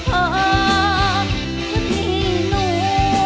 คุณนี่หนู